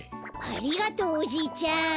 ありがとうおじいちゃん。